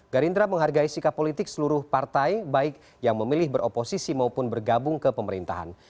gerindra menghargai sikap politik seluruh partai baik yang memilih beroposisi maupun bergabung ke pemerintahan